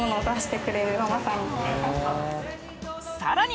さらに！